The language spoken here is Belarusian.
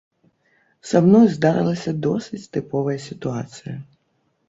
Са мной здарылася досыць тыповая сітуацыя.